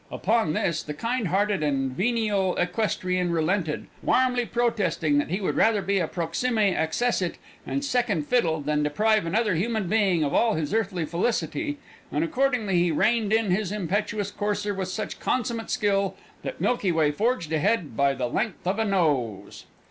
Upon this, the kind hearted and venial equestrian relented, warmly protesting that he would rather be a proxime accessit and second fiddle than deprive another human being of all his earthly felicity, and accordingly he reined in his impetuous courser with such consummate skill that Milky Way forged ahead by the length of a nose.